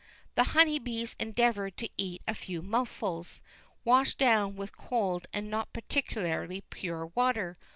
The Honeybees endeavoured to eat a few mouthfuls, washed down with cold and not particularly pure water.